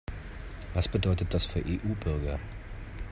Was bedeutet das für EU-Bürger?